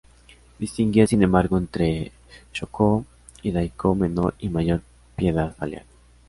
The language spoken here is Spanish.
Distinguía, sin embargo, entre sho-kō y dai-kō: menor y mayor piedad filial.